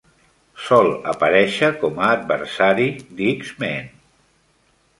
Sol aparèixer com a adversari d"X-Men.